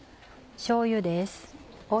しょうゆです。